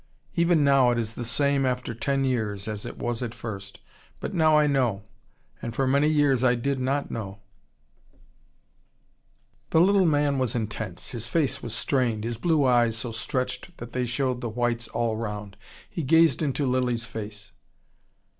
Even now it is the same after ten years, as it was at first. But now I know, and for many years I did not know " The little man was intense. His face was strained, his blue eyes so stretched that they showed the whites all round. He gazed into Lilly's face.